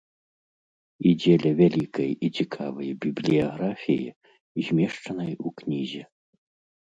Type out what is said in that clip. І дзеля вялікай і цікавай бібліяграфіі, змешчанай у кнізе.